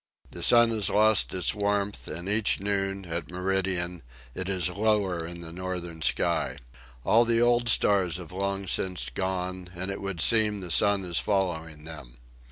The sun has lost its warmth, and each noon, at meridian, it is lower in the northern sky. All the old stars have long since gone, and it would seem the sun is following them.